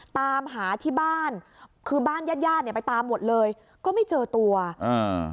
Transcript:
ตามหาที่บ้านคือบ้านญาติญาติเนี้ยไปตามหมดเลยก็ไม่เจอตัวอ่า